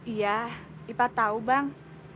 iya ipah tahu bang